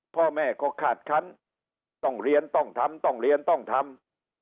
พ่อแม่ก็คาดคันต้องเรียนต้องทำต้องเรียนต้องทำ